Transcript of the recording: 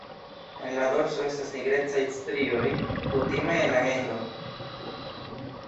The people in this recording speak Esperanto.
En la dorso estas nigrecaj strioj kutimaj en la genro.